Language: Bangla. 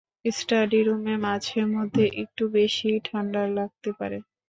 স্টাডি রুমে মঝে মধ্যে একটু বেশিই ঠান্ডা লাগতে পারে।